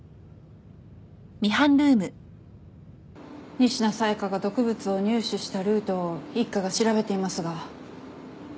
仁科紗耶香が毒物を入手したルートを一課が調べていますが難航しています。